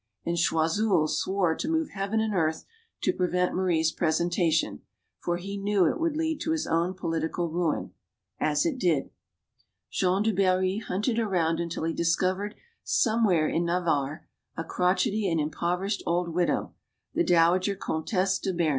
And Choiseul swore to move heaven and earth to prevent Marie's presentation, for he knew it would lead to his own political ruin; as it did. Jean du Barry hunted around until he discovered somewhere in Navarre a crochety and impoverished old widow, the dowager Comtesse de Beam.